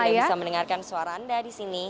kita tidak bisa mendengarkan suara anda disini